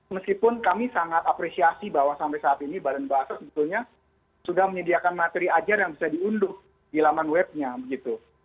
meskipun kami sangat apresiasi bahwa sampai saat ini badan bahasa sebetulnya sudah menyediakan materi ajar yang bisa diunduh di laman webnya begitu